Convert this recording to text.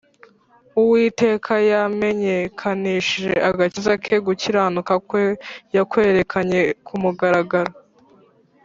Uwiteka yamenyekanishije agakiza ke gukiranuka kwe yakwerekanye ku mugaragaro